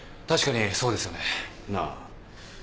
確かにそうですよね。なぁ？